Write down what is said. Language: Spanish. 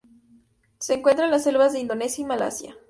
Se encuentra en las selvas de Indonesia y Malasia.